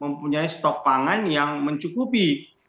mempunyai stok pangan yang mencukupi